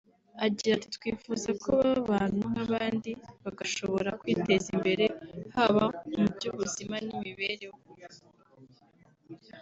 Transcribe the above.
Agira ati “Twifuza ko baba abantu nk’abandi bagashobora kwiteza imbere haba mu by’ubuzima n’imibereho